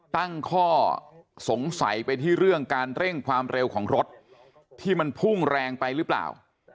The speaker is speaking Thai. ตั้งข้อสงสัยไปที่เรื่องการเร่งความเร็วของรถที่มันพุ่งแรงไปหรือเปล่า